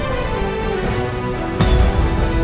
menurutmu anak anak ini vivan ini sama teacher mendatangmu